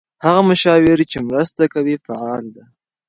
هغه مشاور چې مرسته کوي فعال دی.